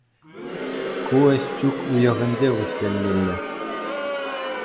Ку ӗҫ чӳк уйӑхӗнче вӗҫленмелле.